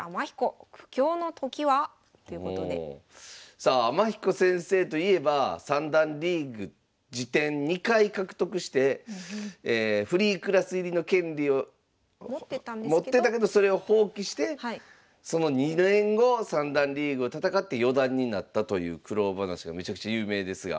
さあ天彦先生といえば三段リーグ次点２回獲得してフリークラス入りの権利を持ってたけどそれを放棄してその２年後三段リーグを戦って四段になったという苦労話がめちゃくちゃ有名ですが。